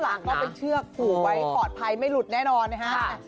ก็เป็นเชือกผูกไว้ปลอดภัยไม่หลุดแน่นอนนะฮะ